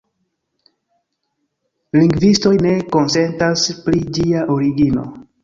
Lingvistoj ne konsentas pri ĝia origino.